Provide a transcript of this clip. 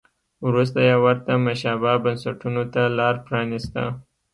وروسته یې ورته مشابه بنسټونو ته لار پرانیسته.